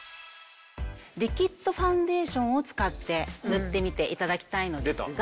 リキッドファンデーションを使って塗ってみて頂きたいのですが。